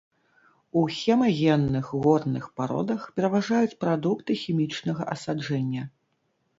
У хемагенных горных пародах пераважаюць прадукты хімічнага асаджэння.